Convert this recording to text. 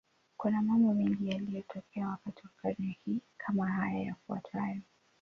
Kuna mambo mengi yaliyotokea wakati wa karne hii, kama haya yafuatayo.